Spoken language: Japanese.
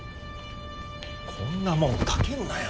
こんなもんかけるなよ！